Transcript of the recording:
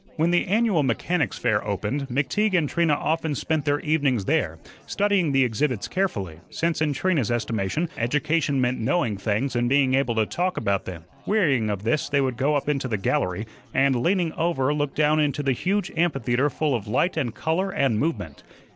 When the annual Mechanic's Fair opened, McTeague and Trina often spent their evenings there, studying the exhibits carefully (since in Trina's estimation education meant knowing things and being able to talk about them). Wearying of this they would go up into the gallery, and, leaning over, look down into the huge amphitheatre full of light and color and movement.